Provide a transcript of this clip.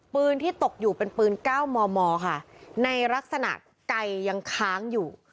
ปืนที่ตกอยู่เป็นปืน๙มมค่ะในลักษณะไก่ยังค้างอยู่